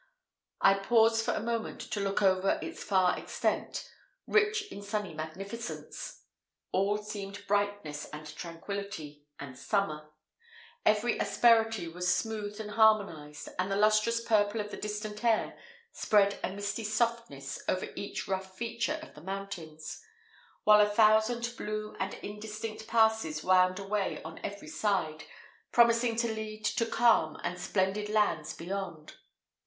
I paused for a moment to look over its far extent, rich in sunny magnificence. All seemed brightness, and tranquillity, and summer; every asperity was smoothed and harmonized, and the lustrous purple of the distant air spread a misty softness over each rough feature of the mountains; while a thousand blue and indistinct passes wound away on every side, promising to lead to calm and splendid lands beyond.